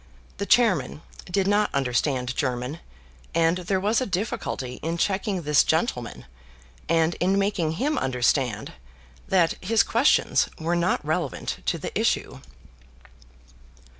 The chairman did not understand German, and there was a difficulty in checking this gentleman, and in making him understand that his questions were not relevant to the issue.